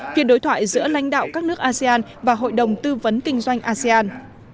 phiên đối thoại giữa lãnh đạo các nước asean và hội đồng tư vấn kinh doanh asean